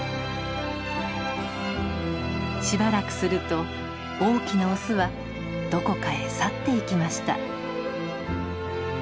しばらくすると大きなオスはどこかへ去っていきました。